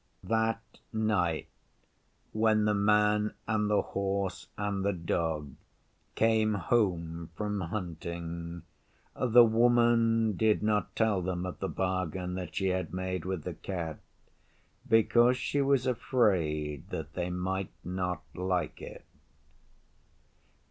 That night when the Man and the Horse and the Dog came home from hunting, the Woman did not tell them of the bargain that she had made with the Cat, because she was afraid that they might not like it.